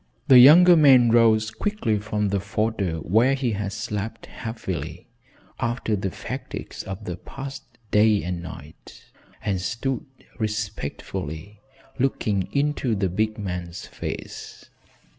The younger man rose quickly from the fodder where he had slept heavily after the fatigues of the past day and night, and stood respectfully looking into the big man's face.